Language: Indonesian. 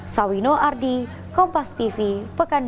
sawino ardi kompastv pekanbun